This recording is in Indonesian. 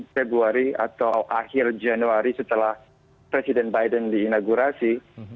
sebelum februari atau akhir januari setelah presiden biden diinaugurasi